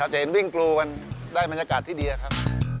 จะเห็นวิ่งกรูกันได้บรรยากาศที่ดีครับ